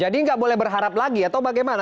jadi nggak boleh berharap lagi atau bagaimana